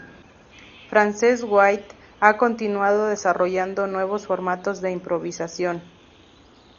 Frances-White ha continuado desarrollando nuevos formatos de improvisación.